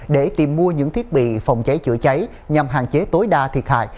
để tìm mua những thiết bị phòng cháy chữa cháy nhằm hạn chế tối đa thiệt hại